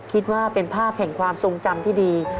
คิดว่าเป็นภาพแห่งความทรงจำที่ดี